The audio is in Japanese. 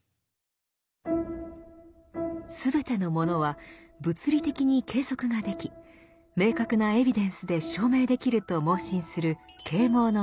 全てのものは物理的に計測ができ明確なエビデンスで証明できると妄信する啓蒙の意識。